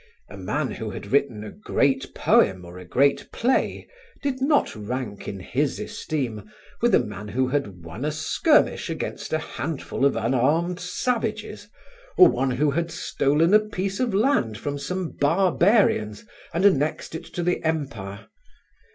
A man who had written a great poem or a great play did not rank in his esteem with a man who had won a skirmish against a handful of unarmed savages, or one who had stolen a piece of land from some barbarians and annexed it to the Empire.